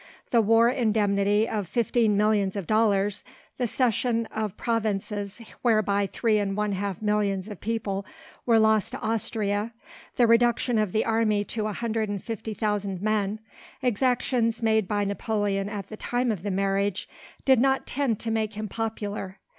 The war indemnity of fifteen millions of dollars, the cession of provinces whereby three and one half millions of people were lost to Austria, the reduction of the army to 150,000 men, exactions made by Napoleon at the time of the marriage, did not tend to make him popular.